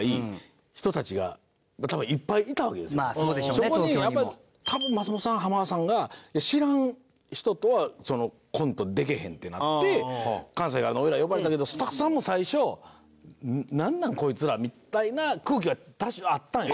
そこにやっぱり多分松本さん浜田さんが知らん人とはコントでけへんってなって関西から俺ら呼ばれたけどスタッフさんも最初「なんなんこいつら」みたいな空気は多少あったんよ。